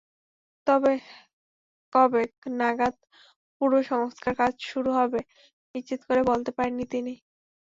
তবে কবে নাগাদ পুরো সংস্কারকাজ শুরু হবে নিশ্চিত করে বলতে পারেননি তিনি।